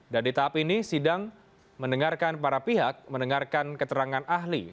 dan di tahap ini sidang mendengarkan para pihak mendengarkan keterangan ahli